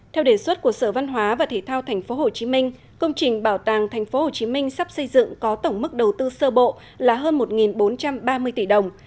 theo đề xuất của sở văn hóa và thể thao tp hcm công trình bảo tàng tp hcm sắp xây dựng có tổng mức đầu tư sơ bộ là hơn một bốn trăm ba mươi tỷ đồng